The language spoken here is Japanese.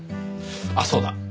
あっそうだ。